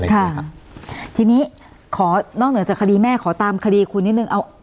ค่ะทีนี้ขอนอกเหนือจากคดีแม่ขอตามคดีคุณนิดนึงเอา